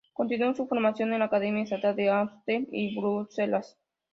Continuó su formación en la Academia Estatal de Ámsterdam y Bruselas.